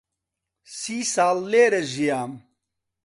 سی ساڵ لێرە ژیام.